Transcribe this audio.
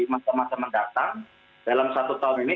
masa masa mendatang dalam satu tahun ini